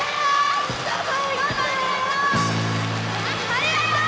ありがとう！